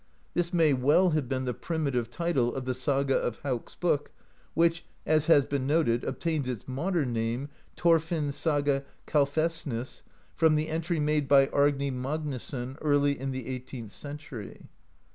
This may well have been the primitive title of the saga of Hauk's Book, which, as has been no ted, obtains its modern name, "Thorfinns Saga Karlsef nis," from the entry made by Arni Magnusson, early in the eighteenth century.